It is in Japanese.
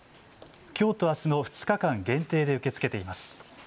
きょうとあすの２日間限定で受け付けています。